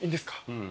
うん。